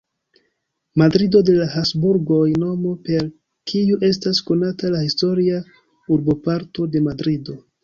Madrido de la Habsburgoj, nomo per kiu estas konata la historia urboparto de Madrido.